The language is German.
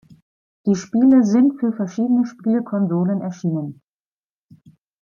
Die Spiele sind für verschiedene Spielkonsolen erschienen.